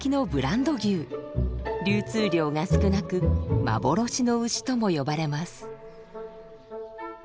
流通量が少なく幻の牛とも呼ばれます。